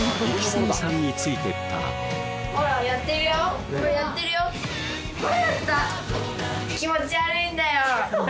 うん「気持ち悪いんだよ」